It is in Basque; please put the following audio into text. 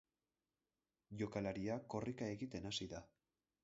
Jokalaria korrika egiten hasi da.